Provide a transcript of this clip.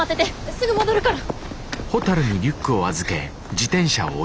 すぐ戻るから！